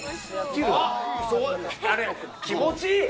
あれ気持ちいい